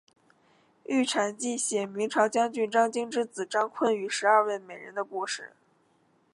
玉蟾记写明朝将军张经之子张昆与十二位美人的故事。